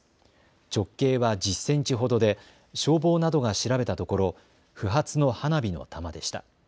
直径は１０センチほどで消防などが調べたところ不発の花火の玉でした。